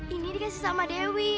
ini dikasih sama dewi